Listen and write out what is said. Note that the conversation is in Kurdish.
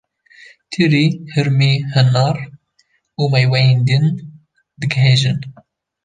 Tirî, hirmî, hinar û mêweyên din digihêjin.